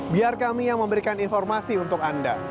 biar kami yang memberikan informasi untuk anda